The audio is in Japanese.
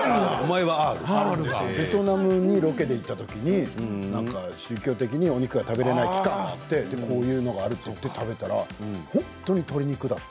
ベトナムにロケに行ったときに宗教的にお肉が食べられない期間があってこういうのがあると食べたら本当に鶏肉だった。